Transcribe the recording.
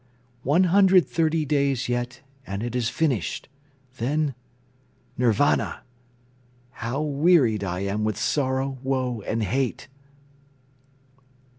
One hundred thirty days yet and it is finished; then ... Nirvana! How wearied I am with sorrow, woe and hate!"